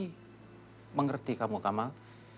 jadi mengerti kamu kamal